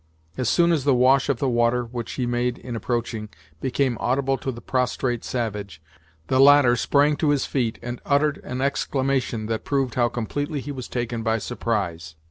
As soon as the wash of the water, which he made in approaching, became audible to the prostrate savage, the latter sprang to his feet, and uttered an exclamation that proved how completely he was taken by surprise.